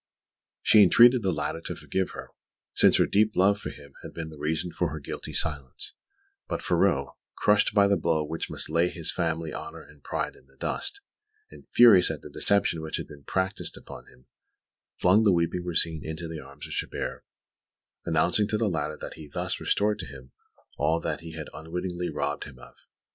She entreated the latter to forgive her, since her deep love for him had been the reason for her guilty silence; but Ferraud, crushed by the blow which must lay his family honour and pride in the dust, and furious at the deception which had been practised upon him, flung the weeping Rosine into the arms of Chabert, announcing to the latter that he thus restored to him all that he had unwittingly robbed him of.